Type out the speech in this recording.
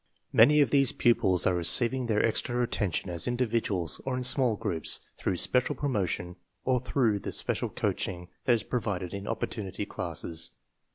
Many of these pupils are receiving their extra attention as individuals or in small groups through special promotion or through the special coaching that is provided in opportunity classes.